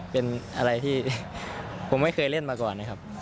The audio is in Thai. เป็นอะไรที่ผมไม่เคยเล่นมาก่อนนะครับ